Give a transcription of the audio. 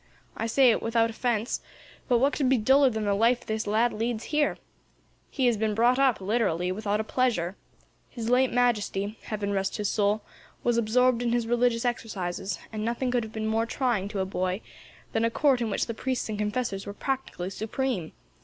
I say it without offence, but what could be duller than the life this lad leads here? He has been brought up, literally, without a pleasure. His late Majesty, heaven rest his soul! was absorbed in his religious exercises, and nothing could have been more trying, to a boy, than a court in which the priests and confessors were practically supreme.